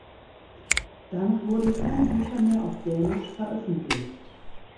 Danach wurden keine Bücher mehr auf Dänisch veröffentlicht.